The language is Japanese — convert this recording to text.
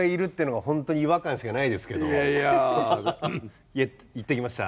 はい。